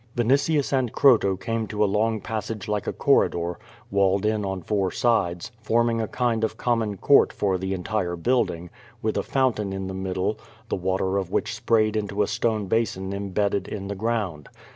Vinitius and Croto came to a long passage like a corridor, walled in on four sides, forming a kind of common court for the entire building, with a fountain in the middle, the water of which sprayed into a stone basin embedded in the ground.